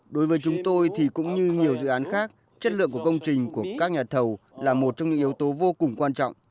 đối với chúng tôi thì cũng như nhiều dự án khác chất lượng của công trình của các nhà thầu là một trong những yếu tố vô cùng quan trọng